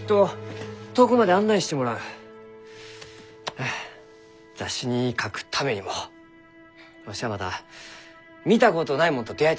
はあ雑誌に書くためにもわしはまだ見たことないもんと出会いたいき。